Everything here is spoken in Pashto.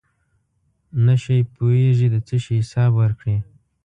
نشی پوهېږي د څه شي حساب ورکړي.